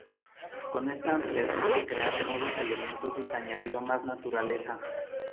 Con esta ampliación se crearon nuevos elementos y se añadió más naturaleza.